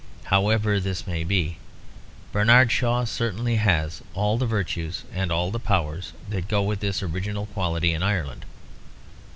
However this may be, Bernard Shaw certainly has all the virtues and all the powers that go with this original quality in Ireland.